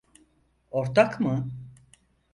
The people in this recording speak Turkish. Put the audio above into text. Ortak mı?